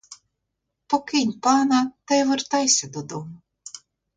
Покинь пана та вертайся додому.